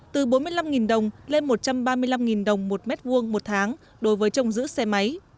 từ bốn mươi năm đồng lên một trăm ba mươi năm đồng một mét vuông một tháng đối với trồng giữ xe máy